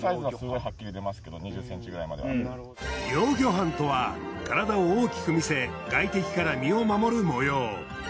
幼魚斑とは体を大きく見せ外敵から身を守る模様。